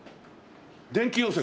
電気溶接？